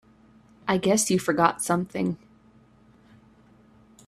I guess you forgot something.